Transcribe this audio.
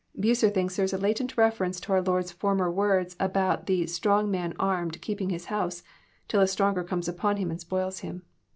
Bucer thinks there is a latent reference to our Lord's former words about the *' strong man armed keeping his house," till a stronger comes upon him and spoils him.